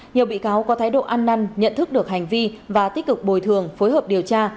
nhiều bị cáo có thái độ ăn năn nhận thức được hành vi và tích cực bồi thường phối hợp điều tra